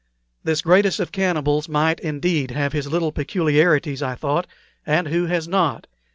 This greatest of cannibals might, indeed, have his little peculiarities, I thought, and who has not?